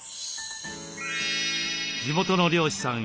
地元の漁師さん